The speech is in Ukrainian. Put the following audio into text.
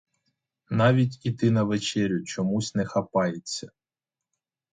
Навіть іти на вечерю чомусь не хапається.